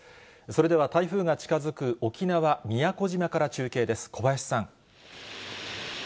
それでは台風が近づく沖縄・宮古島から中継です。